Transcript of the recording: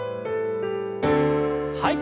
はい。